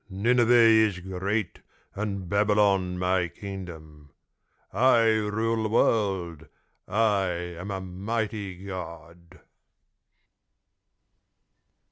Nineveh is great and Babylon my Kingdom. I rule the world. I am a mighty God.'